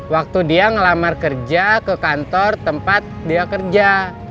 waktu dia ngelamar kerja ke kantor tempat dia kerja